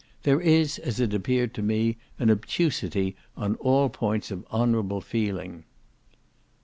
There is, as it appeared to me, an obtusity on all points of honourable feeling.